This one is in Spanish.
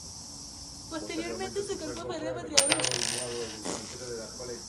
Posteriormente su cuerpo fue repatriado e inhumado en el Cementerio de la Recoleta.